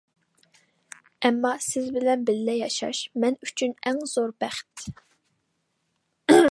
ئەمما، سىز بىلەن بىللە ياشاش مەن ئۈچۈن ئەڭ زور بەخت.